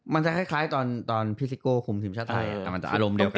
มันจะคล้ายตอนพี่ซิโก้คุมทีมชาติไทยแต่มันจะอารมณ์เดียวกัน